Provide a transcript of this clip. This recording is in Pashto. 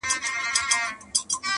له موږکه ځان ورک سوی دی غره دی،